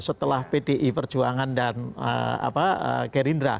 setelah pdi perjuangan dan gerindra